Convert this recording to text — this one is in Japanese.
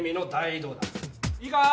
いいか？